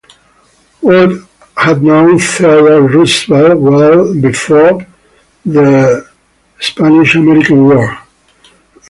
Wood had known Theodore Roosevelt well before the Spanish-American War.